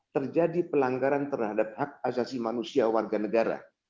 terjadi pelanggaran terhadap hak asasi manusia warga negara